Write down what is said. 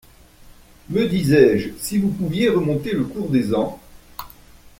Me disais-je, si vous pouviez remonter le cours des ans.